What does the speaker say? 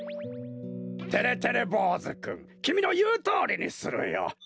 てれてれぼうずくんきみのいうとおりにするよ。